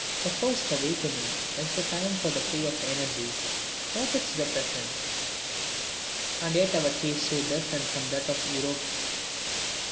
The first awakening is the time for the play of energy, not its repression. And yet our case was so different from that of Europe.